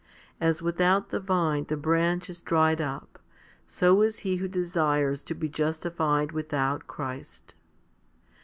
As without the vine the branch is dried up, so is he who desires to be justified without Christ.